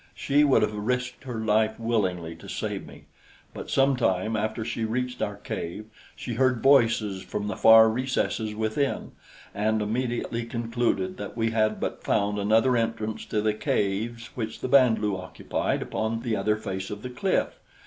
She would have risked her life willingly to save me. But some time after she reached our cave she heard voices from the far recesses within, and immediately concluded that we had but found another entrance to the caves which the Band lu occupied upon the other face of the cliff.